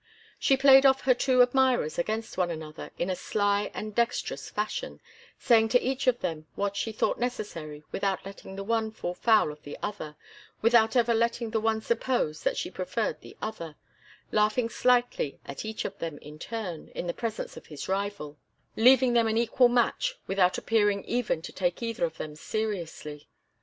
She played off her two admirers against one another in a sly and dexterous fashion, saying to each of them what she thought necessary, without letting the one fall foul of the other, without ever letting the one suppose that she preferred the other, laughing slightly at each of them in turn in the presence of his rival, leaving them an equal match without appearing even to take either of them seriously.